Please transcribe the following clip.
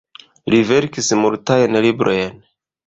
Li verkis multajn librojn.